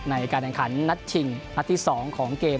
ในการแข่งขันนัดชิงนัดที่๒ของเกม